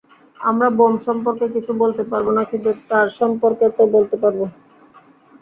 আমরা বোম সম্পর্কে কিছু বলতে পারব না কিন্তু তার সম্পর্কে তো বলতে পারব।